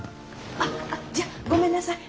あっじゃあごめんなさい。